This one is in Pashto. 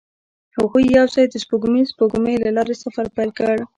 هغوی یوځای د سپوږمیز سپوږمۍ له لارې سفر پیل کړ.